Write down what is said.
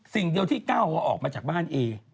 สิ่งเดียวที่ก้าวออกมาจากบ้านเอ